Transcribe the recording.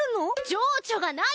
情緒がない。